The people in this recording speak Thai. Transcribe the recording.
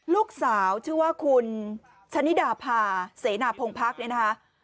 ลูกสาวชื่อว่าคุณชะนิดาพาเสนาพงภักษ์เนี่ยนะคะ